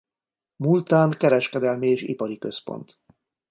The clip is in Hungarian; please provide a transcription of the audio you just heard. Multán kereskedelmi és ipari központ.